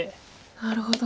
なるほど。